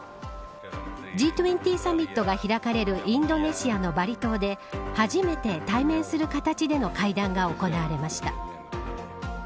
Ｇ２０サミットが開かれるインドネシアのバリ島で初めて対面する形での会談が行われました。